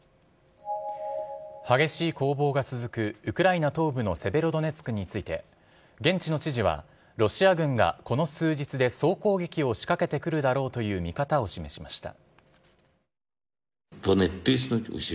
激しい攻防が続くウクライナ東部のセベロドネツクについて、現地の知事は、ロシア軍がこの数日で総攻撃を仕掛けてくるだろうという見方を示しました。